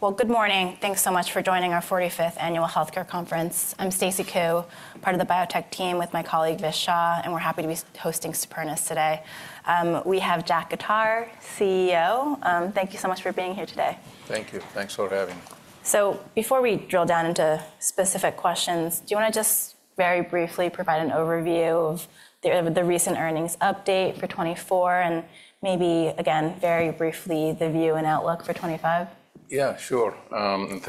Well, good morning. Thanks so much for joining our 45th Annual Healthcare Conference. I'm Stacy Ku, part of the biotech team with my colleague Vishwesh Shah, and we're happy to be hosting Supernus today. We have Jack Khattar, CEO. Thank you so much for being here today. Thank you. Thanks for having me. So before we drill down into specific questions, do you want to just very briefly provide an overview of the recent earnings update for 2024 and maybe, again, very briefly, the view and outlook for 2025? Yeah, sure.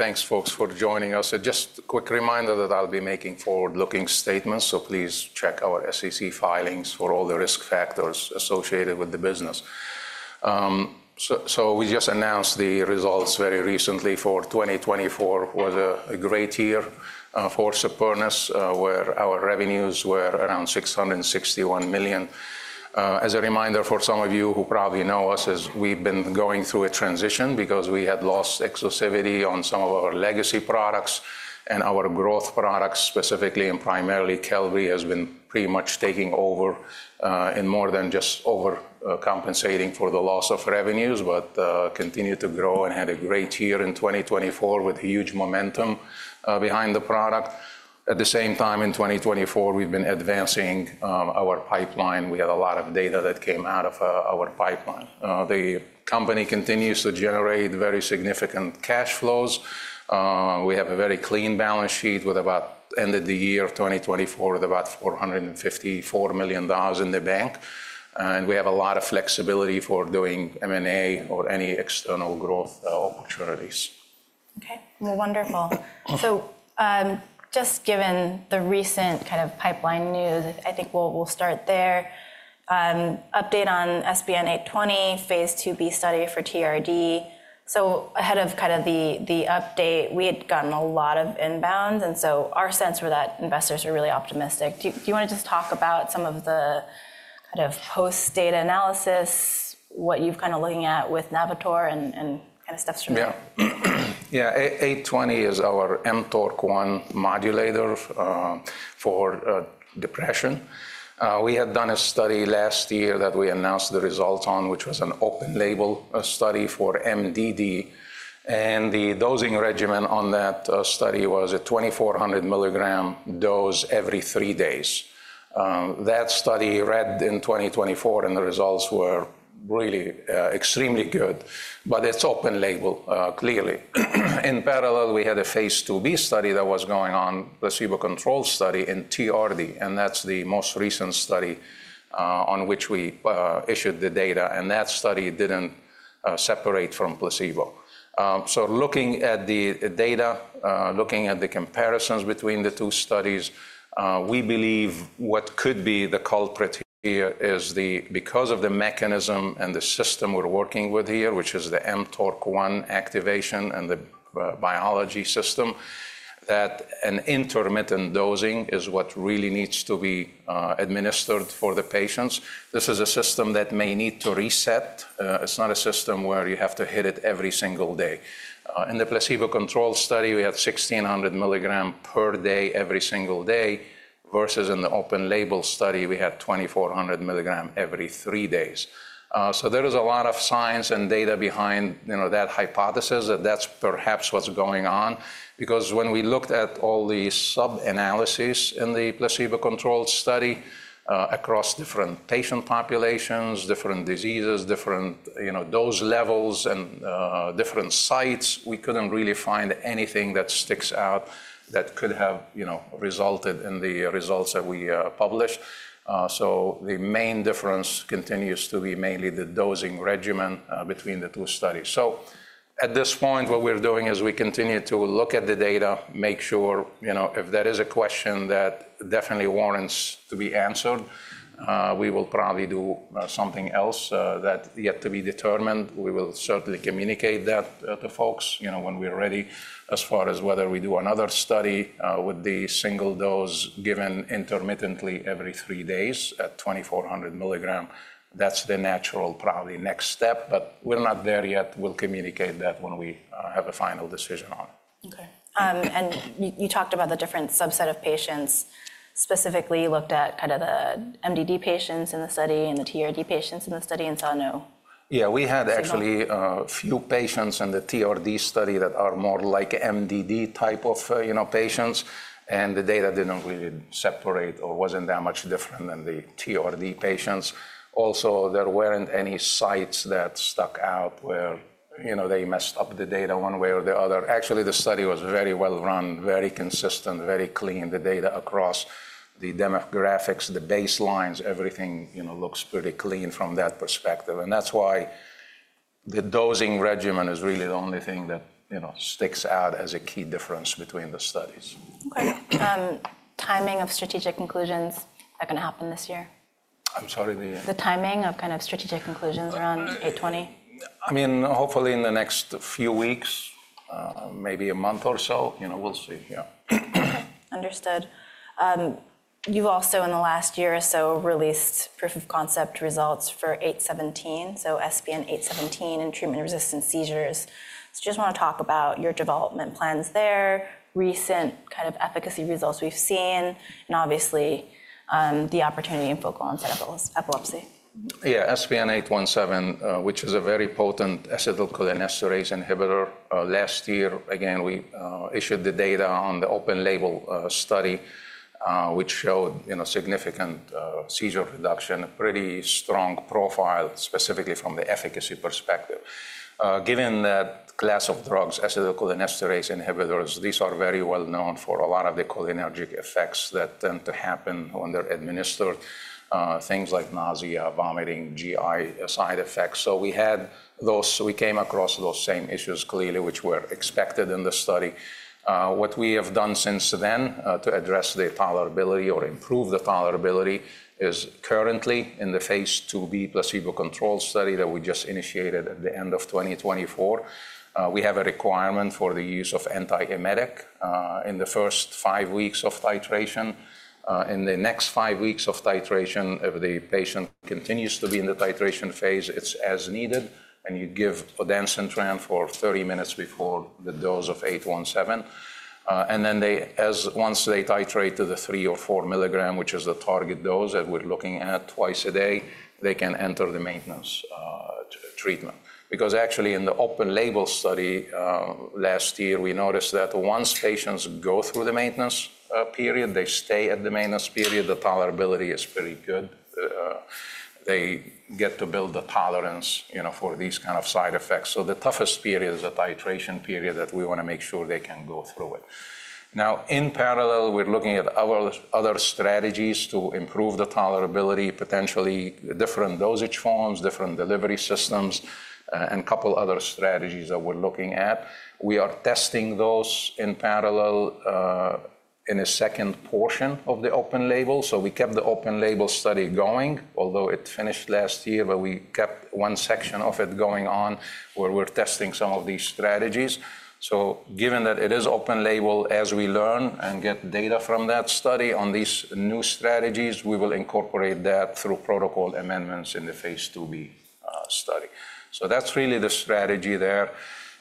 Thanks, folks, for joining us. Just a quick reminder that I'll be making forward-looking statements, so please check our SEC filings for all the risk factors associated with the business, so we just announced the results very recently for 2024. It was a great year for Supernus, where our revenues were around $661 million. As a reminder for some of you who probably know us, we've been going through a transition because we had lost exclusivity on some of our legacy products, and our growth products, specifically and primarily Qelbree, have been pretty much taking over and more than just overcompensating for the loss of revenues, but continue to grow and had a great year in 2024 with huge momentum behind the product. At the same time, in 2024, we've been advancing our pipeline. We had a lot of data that came out of our pipeline. The company continues to generate very significant cash flows. We have a very clean balance sheet with about $454 million in the bank at the end of the year of 2024, and we have a lot of flexibility for doing M&A or any external growth opportunities. Okay. Well, wonderful. So just given the recent kind of pipeline news, I think we'll start there. Update on SPN-820, phase II-B study for TRD. So ahead of kind of the update, we had gotten a lot of inbound, and so our sense was that investors were really optimistic. Do you want to just talk about some of the kind of post-data analysis, what you've kind of looking at with Navitor and kind of steps from there? Yeah. Yeah. 820 is our mTORC1 modulator for depression. We had done a study last year that we announced the results on, which was an open-label study for MDD, and the dosing regimen on that study was a 2,400 milligram dose every three days. That study read in 2024, and the results were really extremely good, but it's open label, clearly. In parallel, we had a phase II-B study that was going on, a placebo-controlled study in TRD, and that's the most recent study on which we issued the data, and that study didn't separate from placebo. Looking at the data, looking at the comparisons between the two studies, we believe what could be the culprit here is because of the mechanism and the system we're working with here, which is the mTORC1 activation and the biology system, that an intermittent dosing is what really needs to be administered for the patients. This is a system that may need to reset. It's not a system where you have to hit it every single day. In the placebo-controlled study, we had 1,600 milligrams per day every single day versus in the open-label study, we had 2,400 milligrams every three days. There is a lot of science and data behind that hypothesis that that's perhaps what's going on because when we looked at all the sub-analyses in the placebo-controlled study across different patient populations, different diseases, different dose levels, and different sites, we couldn't really find anything that sticks out that could have resulted in the results that we published. The main difference continues to be mainly the dosing regimen between the two studies. At this point, what we're doing is we continue to look at the data, make sure if that is a question that definitely warrants to be answered, we will probably do something else that's yet to be determined. We will certainly communicate that to folks when we're ready. As far as whether we do another study with the single dose given intermittently every three days at 2,400 milligram, that's the natural probably next step, but we're not there yet. We'll communicate that when we have a final decision on it. Okay. And you talked about the different subset of patients. Specifically, you looked at kind of the MDD patients in the study and the TRD patients in the study and saw no. Yeah, we had actually a few patients in the TRD study that are more like MDD type of patients, and the data didn't really separate or wasn't that much different than the TRD patients. Also, there weren't any sites that stuck out where they messed up the data one way or the other. Actually, the study was very well run, very consistent, very clean, the data across the demographics, the baselines, everything looks pretty clean from that perspective. And that's why the dosing regimen is really the only thing that sticks out as a key difference between the studies. Okay. Timing of strategic conclusions, that can happen this year? I'm sorry, the? The timing of kind of strategic conclusions around 820? I mean, hopefully in the next few weeks, maybe a month or so. We'll see. Yeah. Okay. Understood. You've also, in the last year or so, released proof of concept results for SPN-817, so SPN-817 and treatment-resistant seizures. Just want to talk about your development plans there, recent kind of efficacy results we've seen, and obviously the opportunity in focal epilepsy. Yeah, SPN-817, which is a very potent acetylcholinesterase inhibitor. Last year, again, we issued the data on the open-label study, which showed significant seizure reduction, a pretty strong profile, specifically from the efficacy perspective. Given that class of drugs, acetylcholinesterase inhibitors, these are very well known for a lot of the cholinergic effects that tend to happen when they're administered, things like nausea, vomiting, GI side effects. So we had those. We came across those same issues clearly, which were expected in the study. What we have done since then to address the tolerability or improve the tolerability is currently in the phase II-B placebo-controlled study that we just initiated at the end of 2024. We have a requirement for the use of antiemetic in the first five weeks of titration. In the next five weeks of titration, if the patient continues to be in the titration phase, it's as needed, and you give ondansetron for 30 minutes before the dose of 817. Then once they titrate to the three or four milligram, which is the target dose that we're looking at twice a day, they can enter the maintenance treatment. Because actually, in the open-label study last year, we noticed that once patients go through the maintenance period, they stay at the maintenance period, the tolerability is pretty good. They get to build the tolerance for these kind of side effects. The toughest period is the titration period that we want to make sure they can go through it. Now, in parallel, we're looking at other strategies to improve the tolerability, potentially different dosage forms, different delivery systems, and a couple of other strategies that we're looking at. We are testing those in parallel in a second portion of the open-label, so we kept the open-label study going, although it finished last year, but we kept one section of it going on where we're testing some of these strategies, so given that it is open-label, as we learn and get data from that study on these new strategies, we will incorporate that through protocol amendments in the phase II-B study, so that's really the strategy there,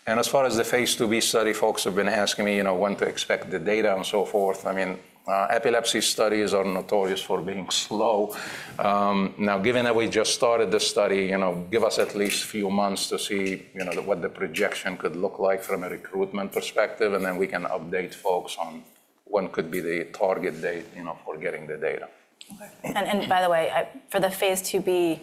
and as far as the phase II-B study, folks have been asking me when to expect the data and so forth. I mean, epilepsy studies are notorious for being slow. Now, given that we just started the study, give us at least a few months to see what the projection could look like from a recruitment perspective, and then we can update folks on when could be the target date for getting the data. Okay, and by the way, for the phase II-B,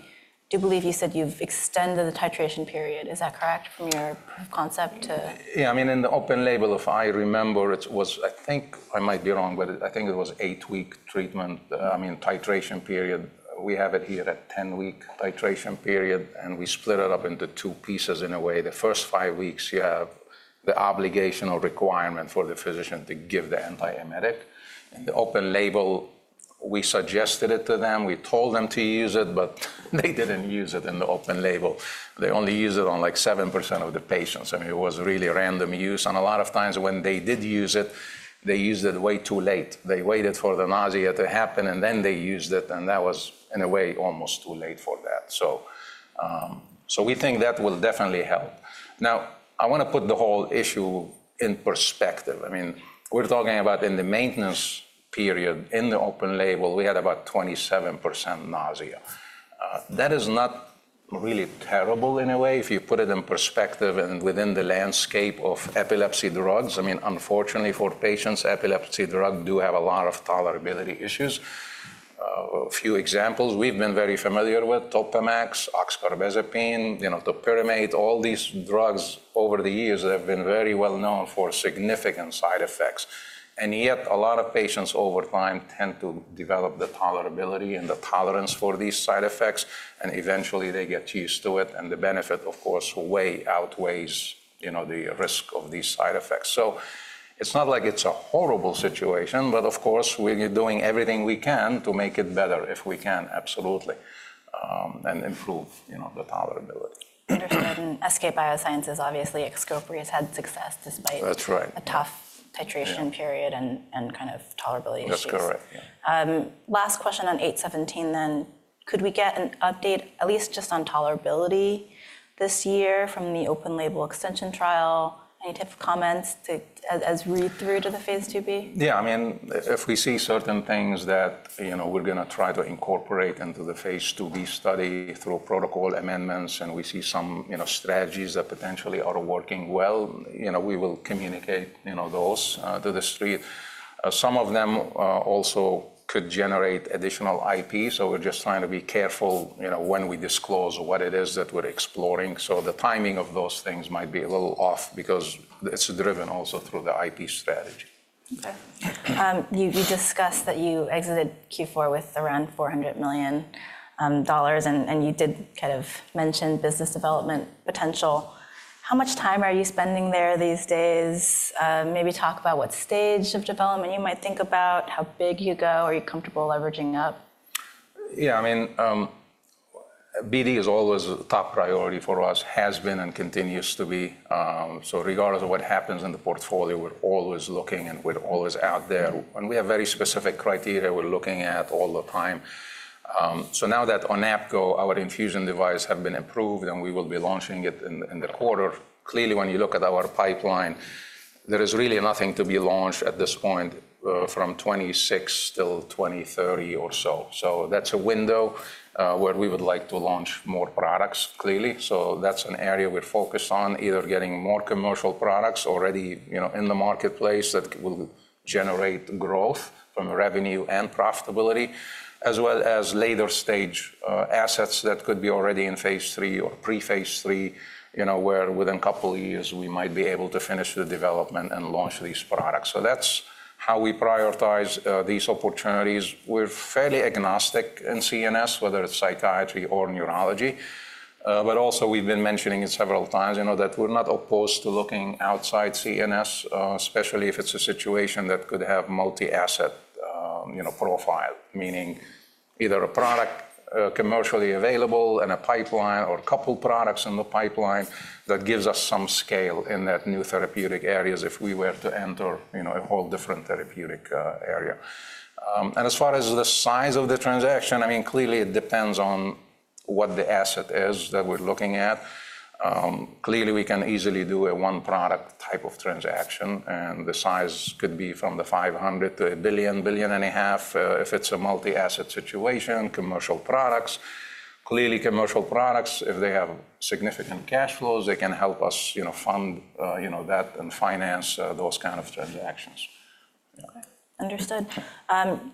I do believe you said you've extended the titration period. Is that correct from your proof of concept to? Yeah. I mean, in the open-label, if I remember, it was, I think I might be wrong, but I think it was eight-week treatment, I mean, titration period. We have it here at 10-week titration period, and we split it up into two pieces in a way. The first five weeks, you have the obligatory requirement for the physician to give the antiemetic. In the open-label, we suggested it to them. We told them to use it, but they didn't use it in the open-label. They only used it on like 7% of the patients. I mean, it was really random use. And a lot of times when they did use it, they used it way too late. They waited for the nausea to happen, and then they used it, and that was, in a way, almost too late for that. So we think that will definitely help. Now, I want to put the whole issue in perspective. I mean, we're talking about in the maintenance period in the open-label, we had about 27% nausea. That is not really terrible in a way. If you put it in perspective and within the landscape of epilepsy drugs, I mean, unfortunately for patients, epilepsy drugs do have a lot of tolerability issues. A few examples we've been very familiar with: Topamax, oxcarbazepine, topiramate. All these drugs over the years have been very well known for significant side effects. And yet a lot of patients over time tend to develop the tolerability and the tolerance for these side effects, and eventually they get used to it, and the benefit, of course, way outweighs the risk of these side effects. So it's not like it's a horrible situation, but of course, we're doing everything we can to make it better if we can, absolutely, and improve the tolerability. Understood. And SK Bio obviously had success despite a tough titration period and kind of tolerability issues. That's correct. Last question on 817 then. Could we get an update, at least just on tolerability this year from the open-label extension trial? Any type of comments as we read through to the phase II-B? Yeah. I mean, if we see certain things that we're going to try to incorporate into the phase II-B study through protocol amendments, and we see some strategies that potentially are working well, we will communicate those to the street. Some of them also could generate additional IP, so we're just trying to be careful when we disclose what it is that we're exploring. So the timing of those things might be a little off because it's driven also through the IP strategy. Okay. You discussed that you exited Q4 with around $400 million, and you did kind of mention business development potential. How much time are you spending there these days? Maybe talk about what stage of development you might think about, how big you go, are you comfortable leveraging up? Yeah. I mean, BD is always a top priority for us, has been and continues to be. So regardless of what happens in the portfolio, we're always looking and we're always out there. And we have very specific criteria we're looking at all the time. So now that APO-go, our infusion device, has been approved, and we will be launching it in the quarter. Clearly, when you look at our pipeline, there is really nothing to be launched at this point from 2026 till 2030 or so. So that's a window where we would like to launch more products, clearly. That's an area we're focused on, either getting more commercial products already in the marketplace that will generate growth from revenue and profitability, as well as later stage assets that could be already in phase III or pre-phase III, where within a couple of years we might be able to finish the development and launch these products. That's how we prioritize these opportunities. We're fairly agnostic in CNS, whether it's psychiatry or neurology. But also, we've been mentioning it several times that we're not opposed to looking outside CNS, especially if it's a situation that could have multi-asset profile, meaning either a product commercially available in a pipeline or a couple of products in the pipeline that gives us some scale in that new therapeutic area if we were to enter a whole different therapeutic area. As far as the size of the transaction, I mean, clearly it depends on what the asset is that we're looking at. Clearly, we can easily do a one-product type of transaction, and the size could be from $500 million to $1 billion, $1.5 billion if it's a multi-asset situation, commercial products. Clearly, commercial products, if they have significant cash flows, they can help us fund that and finance those kind of transactions. Okay. Understood.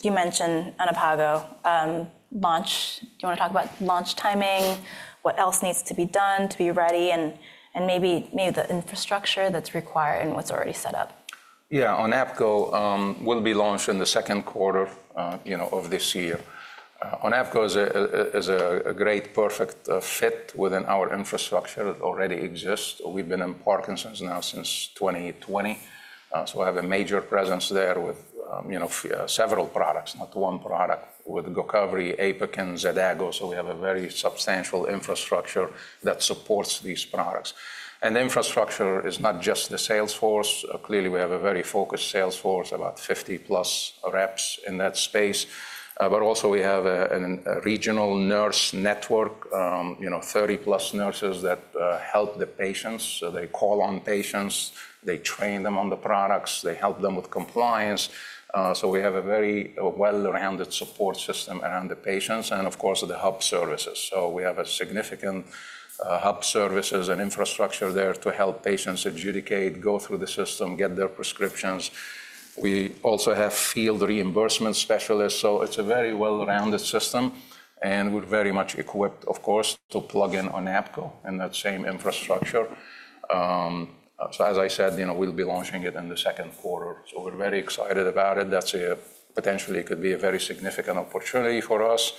You mentioned APO-go. Do you want to talk about launch timing? What else needs to be done to be ready and maybe the infrastructure that's required and what's already set up? Yeah. APO-go will be launched in the second quarter of this year. APO-go is a great, perfect fit within our infrastructure that already exists. We've been in Parkinson's now since 2020, so I have a major presence there with several products, not one product, with Gocovri, Apokyn, and Xadago. So we have a very substantial infrastructure that supports these products, and the infrastructure is not just the sales force. Clearly, we have a very focused sales force, about 50-plus reps in that space, but also we have a regional nurse network, 30-plus nurses that help the patients. So they call on patients, they train them on the products, they help them with compliance. So we have a very well-rounded support system around the patients and, of course, the hub services. So we have a significant hub services and infrastructure there to help patients adjudicate, go through the system, get their prescriptions. We also have field reimbursement specialists. So it's a very well-rounded system, and we're very much equipped, of course, to plug in APO-go in that same infrastructure. So, as I said, we'll be launching it in the second quarter. So we're very excited about it. Potentially, it could be a very significant opportunity for us.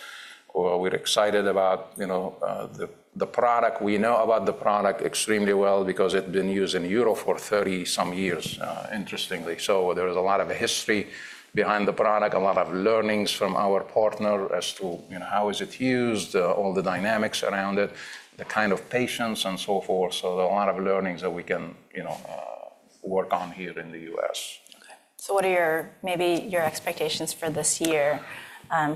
We're excited about the product. We know about the product extremely well because it's been used in Europe for 30-some years, interestingly. So there is a lot of history behind the product, a lot of learnings from our partner as to how is it used, all the dynamics around it, the kind of patients, and so forth. So there are a lot of learnings that we can work on here in the US. Okay. So what are maybe your expectations for this year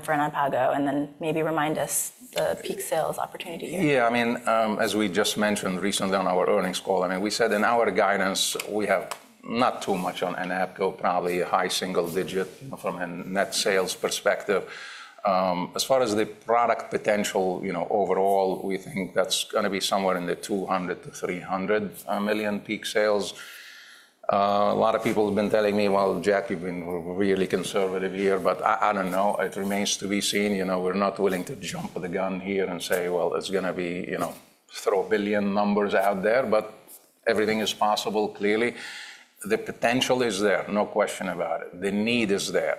for APO-go and then maybe remind us the peak sales opportunity year? Yeah. I mean, as we just mentioned recently on our earnings call, I mean, we said in our guidance, we have not too much on APO-go, probably a high single digit from a net sales perspective. As far as the product potential overall, we think that's going to be somewhere in the $200 million-$300 million peak sales. A lot of people have been telling me, "Well, Jack, you've been really conservative here," but I don't know. It remains to be seen. We're not willing to jump the gun here and say, "Well, it's going to be throw a billion numbers out there," but everything is possible, clearly. The potential is there, no question about it. The need is there,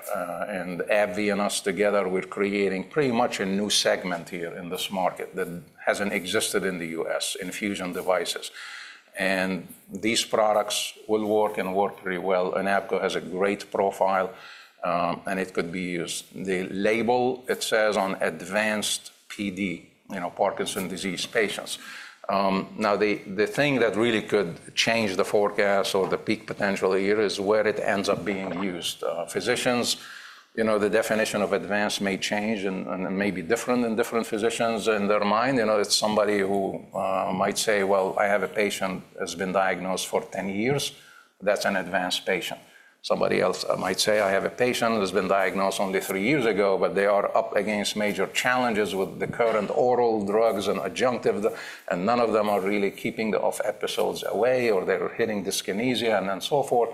and AbbVie and us together, we're creating pretty much a new segment here in this market that hasn't existed in the U.S., infusion devices. These products will work and work pretty well. Apokyn has a great profile, and it could be used. The label, it says on advanced PD, Parkinson's disease patients. Now, the thing that really could change the forecast or the peak potential here is where it ends up being used. Physicians, the definition of advanced may change and may be different in different physicians in their mind. It's somebody who might say, "Well, I have a patient who has been diagnosed for 10 years. That's an advanced patient." Somebody else might say, "I have a patient who has been diagnosed only three years ago, but they are up against major challenges with the current oral drugs and adjunctive, and none of them are really keeping the off episodes away or they're hitting dyskinesia and then so forth.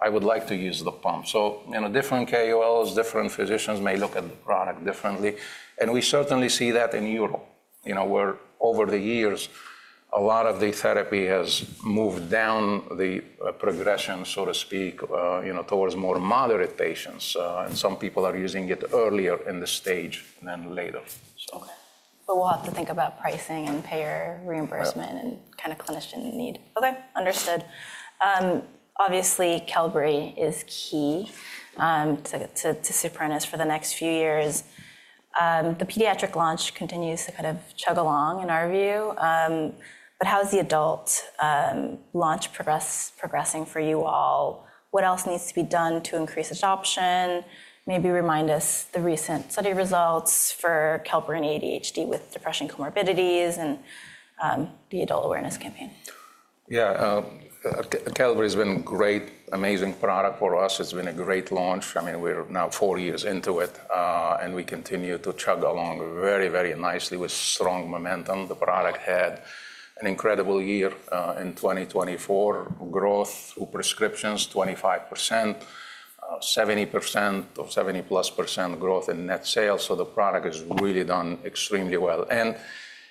I would like to use the pump." So different KOLs, different physicians may look at the product differently. And we certainly see that in Europe, where over the years, a lot of the therapy has moved down the progression, so to speak, towards more moderate patients. And some people are using it earlier in the stage than later. Okay, but we'll have to think about pricing and payer reimbursement and kind of clinician need. Okay. Understood. Obviously, Qelbree is key to Supernus for the next few years. The pediatric launch continues to kind of chug along in our view. But how is the adult launch progressing for you all? What else needs to be done to increase adoption? Maybe remind us the recent study results for Qelbree and ADHD with depression comorbidities and the adult awareness campaign. Yeah. Qelbree has been a great, amazing product for us. It's been a great launch. I mean, we're now four years into it, and we continue to chug along very, very nicely with strong momentum. The product had an incredible year in 2024, growth through prescriptions 25%, 70% or 70%+ growth in net sales. So the product has really done extremely well. And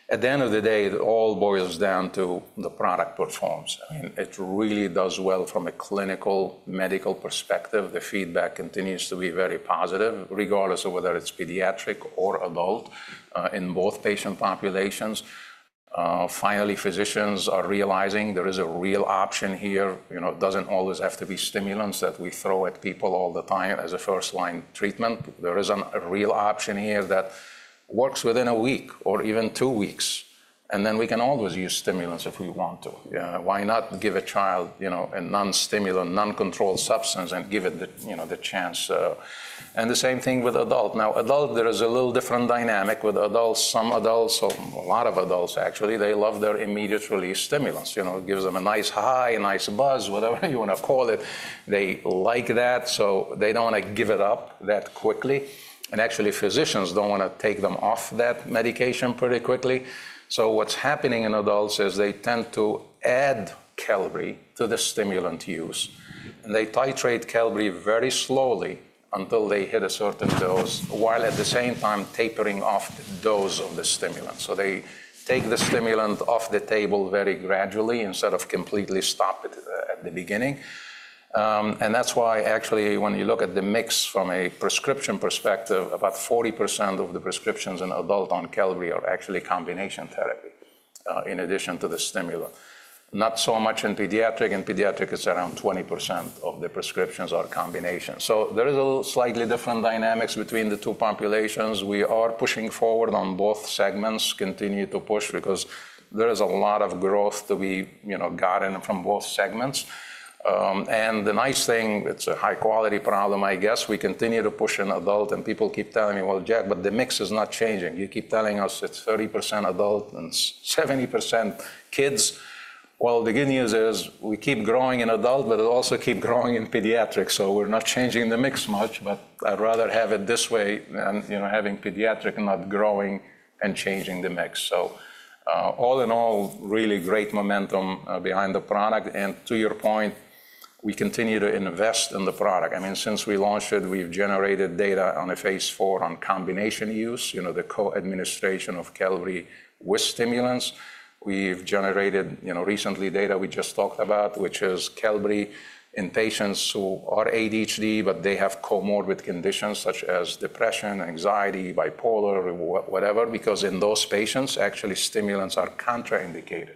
at the end of the day, it all boils down to the product performance. I mean, it really does well from a clinical medical perspective. The feedback continues to be very positive, regardless of whether it's pediatric or adult in both patient populations. Finally, physicians are realizing there is a real option here. It doesn't always have to be stimulants that we throw at people all the time as a first-line treatment. There is a real option here that works within a week or even two weeks, and then we can always use stimulants if we want to. Why not give a child a non-stimulant, non-controlled substance and give it the chance? And the same thing with adults. Now, adults, there is a little different dynamic with adults. Some adults, or a lot of adults, actually, they love their immediate-release stimulants. It gives them a nice high, a nice buzz, whatever you want to call it. They like that, so they don't want to give it up that quickly. And actually, physicians don't want to take them off that medication pretty quickly. So what's happening in adults is they tend to add Qelbree to the stimulant use. And they titrate Qelbree very slowly until they hit a certain dose, while at the same time tapering off the dose of the stimulant. So they take the stimulant off the table very gradually instead of completely stopping it at the beginning. And that's why, actually, when you look at the mix from a prescription perspective, about 40% of the prescriptions in adults on Qelbree are actually combination therapy in addition to the stimulant. Not so much in pediatric. In pediatric, it's around 20% of the prescriptions are combination. So there is a slightly different dynamics between the two populations. We are pushing forward on both segments, continue to push because there is a lot of growth to be gotten from both segments. And the nice thing, it's a high-quality problem, I guess. We continue to push in adults, and people keep telling me, "Well, Jack, but the mix is not changing. You keep telling us it's 30% adults and 70% kids." Well, the good news is we keep growing in adults, but it also keeps growing in pediatrics. So we're not changing the mix much, but I'd rather have it this way than having pediatric not growing and changing the mix. So all in all, really great momentum behind the product. And to your point, we continue to invest in the product. I mean, since we launched it, we've generated data on a phase IV on combination use, the co-administration of Qelbree with stimulants. We've generated recently data we just talked about, which is Qelbree in patients who are ADHD, but they have comorbid conditions such as depression, anxiety, bipolar, whatever, because in those patients, actually, stimulants are contraindicated.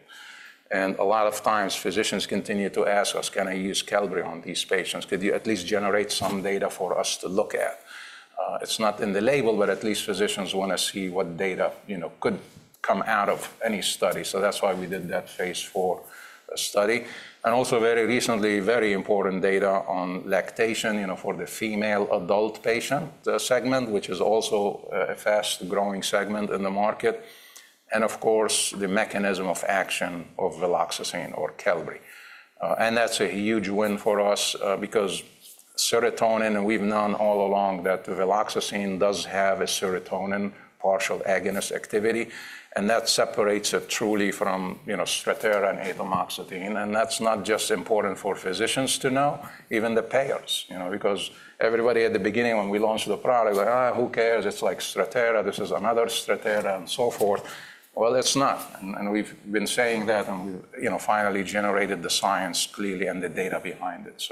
And a lot of times, physicians continue to ask us, "Can I use Qelbree on these patients? Could you at least generate some data for us to look at?" It's not in the label, but at least physicians want to see what data could come out of any study. So that's why we did that phase IV study. And also, very recently, very important data on lactation for the female adult patient segment, which is also a fast-growing segment in the market. And of course, the mechanism of action of viloxazine or Qelbree. And that's a huge win for us because serotonin, and we've known all along that viloxazine does have a serotonin partial agonist activity, and that separates it truly from Strattera and atomoxetine. And that's not just important for physicians to know, even the payers, because everybody at the beginning when we launched the product, "Who cares? It's like Strattera. This is another Strattera," and so forth. Well, it's not. We've been saying that and finally generated the science clearly and the data behind it.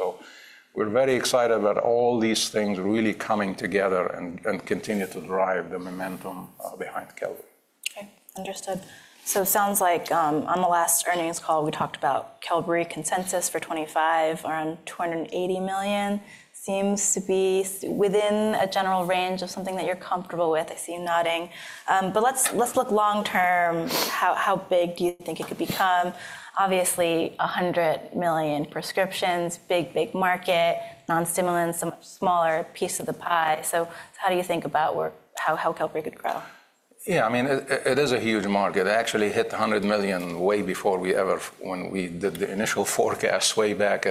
We're very excited about all these things really coming together and continue to drive the momentum behind Qelbree. Okay. Understood. So it sounds like on the last earnings call, we talked about Qelbree consensus for $250 million or $280 million seems to be within a general range of something that you're comfortable with. I see you nodding. But let's look long-term. How big do you think it could become? Obviously, 100 million prescriptions, big, big market, non-stimulants, a much smaller piece of the pie. So how do you think about how Qelbree could grow? Yeah. I mean, it is a huge market. It actually hit $100 million way before we ever, when we did the initial forecast way back.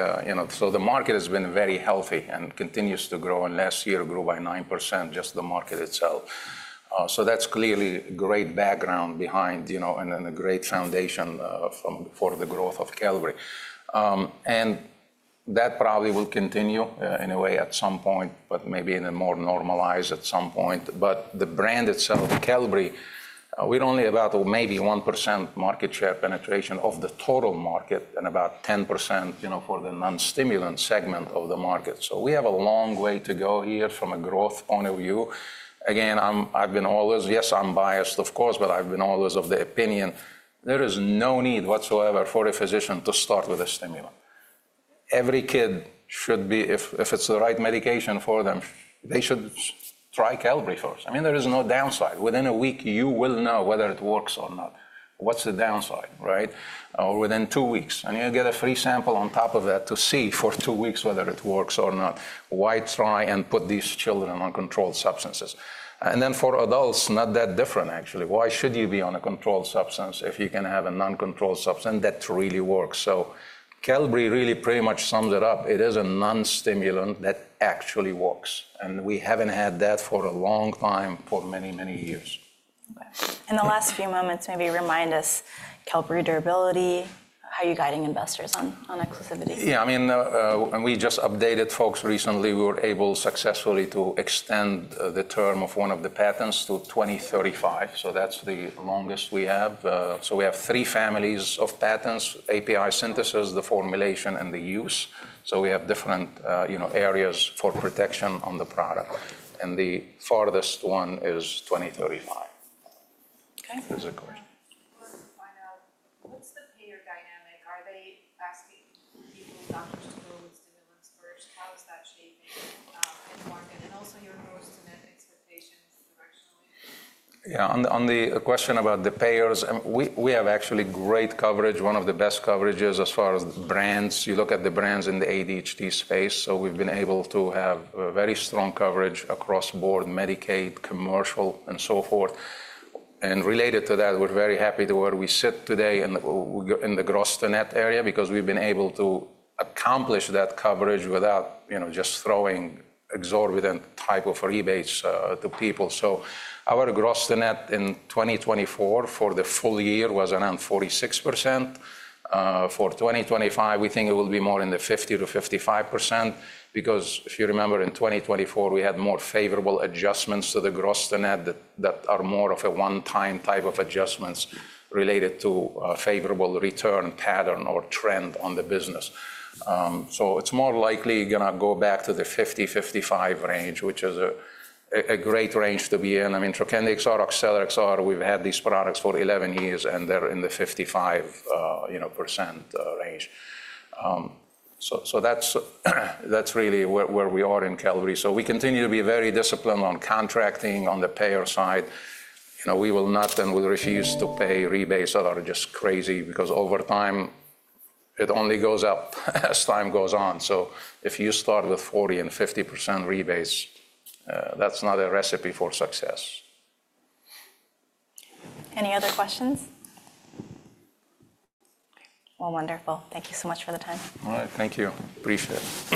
So the market has been very healthy and continues to grow. Last year, it grew by 9%, just the market itself. So that's clearly great background behind and a great foundation for the growth of Qelbree. That probably will continue in a way at some point, but maybe in a more normalized at some point. The brand itself, Qelbree, we're only about maybe 1% market share penetration of the total market and about 10% for the non-stimulant segment of the market. So we have a long way to go here from a growth point of view. Again, I've been always, yes, I'm biased, of course, but I've been always of the opinion there is no need whatsoever for a physician to start with a stimulant. Every kid should be, if it's the right medication for them, they should try Qelbree first. I mean, there is no downside. Within a week, you will know whether it works or not. What's the downside, right? Or within two weeks, and you get a free sample on top of that to see for two weeks whether it works or not. Why try and put these children on controlled substances, and then for adults, not that different, actually. Why should you be on a controlled substance if you can have a non-controlled substance that really works, so Qelbree really pretty much sums it up. It is a non-stimulant that actually works. We haven't had that for a long time, for many, many years. Okay. In the last few moments, maybe remind us Qelbree durability, how are you guiding investors on exclusivity? Yeah. I mean, we just updated folks recently. We were able successfully to extend the term of one of the patents to 2035. So that's the longest we have. So we have three families of patents: API synthesis, the formulation, and the use. So we have different areas for protection on the product, and the farthest one is 2035. Okay. That's the question. I wanted to find out what's the payer dynamic? Are they asking people, doctors to go with stimulants first? How is that shaping the market? And also, your growth demand expectations directionally? Yeah. On the question about the payers, we have actually great coverage, one of the best coverages as far as brands. You look at the brands in the ADHD space. So we've been able to have very strong coverage across-the-board Medicaid, commercial, and so forth. And related to that, we're very happy to where we sit today in the gross-to-net area because we've been able to accomplish that coverage without just throwing exorbitant type of rebates to people. So our gross-to-net in 2024 for the full year was around 46%. For 2025, we think it will be more in the 50%-55% because if you remember, in 2024, we had more favorable adjustments to the gross-to-net that are more of a one-time type of adjustments related to a favorable return pattern or trend on the business. So it's more likely going to go back to the 50-55 range, which is a great range to be in. I mean, Trokendi XR, Oxtellar XR, we've had these products for 11 years, and they're in the 55% range. So that's really where we are in Qelbree. So we continue to be very disciplined on contracting on the payer side. We will not and will refuse to pay rebates that are just crazy because over time, it only goes up as time goes on. So if you start with 40%-50% rebates, that's not a recipe for success. Any other questions? Well, wonderful. Thank you so much for the time. All right. Thank you. Appreciate it.